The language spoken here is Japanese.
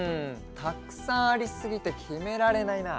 たくさんありすぎてきめられないな。